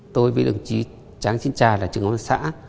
tôi với đồng chí tráng sinh trà là trưởng quán xã